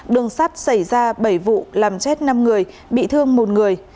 đường sắt xảy ra bảy vụ làm chết năm người bị thương một người